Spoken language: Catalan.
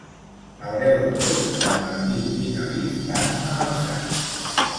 El deu d'agost en Martí i na Lis van a Marçà.